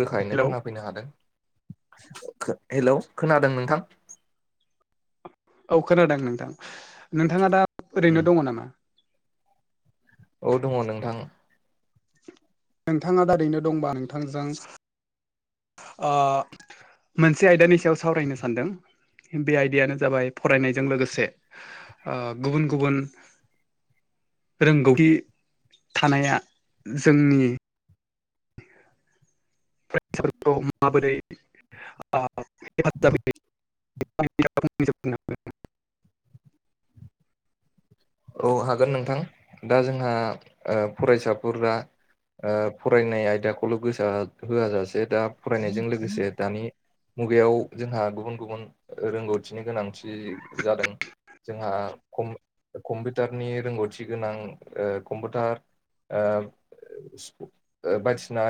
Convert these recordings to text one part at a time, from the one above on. रोखायैनो hello खोनाफैनो हादों खो हेलौ खोनादों नोंथां औ खोनादों नोंथां नोंथाङा दा ओरैनो दङ नामा औ दङ नोंथां नोंथाङा दा ओैनो दंबा नोंथांजों ओ मोनसे आयदानि सायाव सावरायनो सानदों बे आयदायानो जाबाय फरायनायजों लोगोसे ओ गुबुन गुबुन रोंगौथि थानाया जोंनि [unintelligible] माबोरै [unintelligible] औ हागोन नोंथां दा जोंहा फरायसाफोरा। ओ फरायनाय आयदाखौल' गोसो होआ जासे दा फरायनायजों लोगोसे दानि। मुगायाव जोंहा गुबुन गुबुन रोंगौथिनि गोनांथि जादों। जोंहा कम्प-कम्पिउटारनि रोंगौथि गोनां कम्पिउटार। ओ। बायदिसिना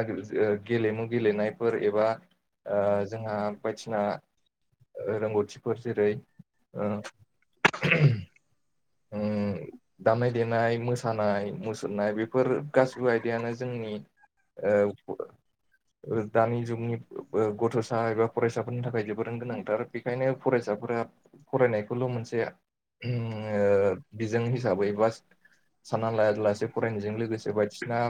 गेलेमु गेलेनायफोर एबा। ओ जोंहा बायदिसिना। रोंगौथिफोर जेरै ओ। ओम। दामनाय देनाय मोसानाय मुसुरनाय बेफोर गासिबो आयदायानो जोंनि। ओ। दानि जुगनि गथ'सा एबा फरायसाफोरनि थाखाय जबोरै गोनांथार। बेखायनो फरायसाफोरा फरायनायखौल मोनसे बिजों हिसाबै बा सानना ललासे फरायनायजों लोगोसे बायदिसिना।